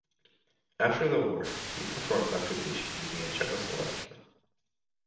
After the war he performed occupation duty in Czechoslovakia.